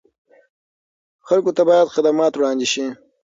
خلکو ته باید خدمات وړاندې شي.